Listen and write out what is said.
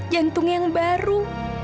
jantung yang baru